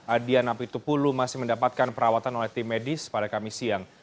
adian apitupulu masih mendapatkan perawatan oleh tim medis pada kamis siang